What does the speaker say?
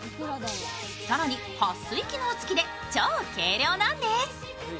更に、はっ水機能付きで超軽量なんです。